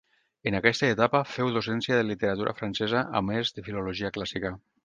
En aquesta etapa féu docència de literatura francesa a més de filologia clàssica.